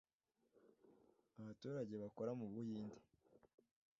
abaturage bakora mu Buhinde